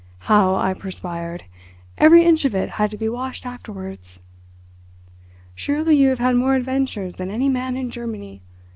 How I perspired! Every inch of it had to be washed afterwards." "Surely you have had more adventures than any man in Germany.